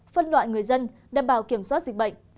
phân loại người dân đảm bảo kiểm soát dịch bệnh